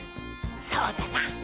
そうだな！